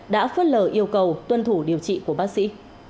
đã phớt lờ yêu cầu tuân thủ điều trị của bác sĩ